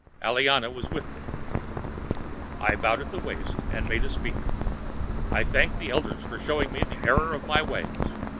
Aliana was with them. I bowed from the waist and made a speech. I thanked the elders for showing me the error of my ways.